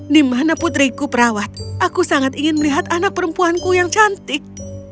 di mana putriku perawat aku sangat ingin melihat anak perempuanku yang cantik